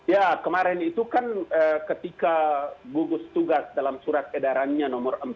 ya kemarin itu kan ketika gugus tugas dalam surat edarannya nomor empat